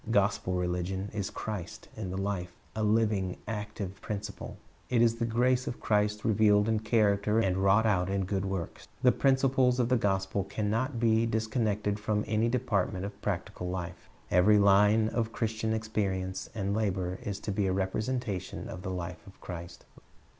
Gospel religion is Christ in the life, — a living, active principle. It is the grace of Christ revealed in character and wTought out in good works. The principles of the gospel can not be disconnected from any department of practical life. Every line of Christian experience and labor is to be a representation of the life of Christ.